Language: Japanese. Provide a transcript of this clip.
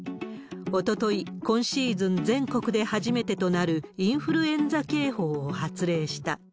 おととい、今シーズン全国で初めてとなる、インフルエンザ警報を発令した。